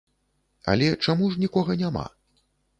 Але чаму ж нікога няма?